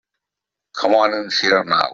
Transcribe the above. Come on in here now.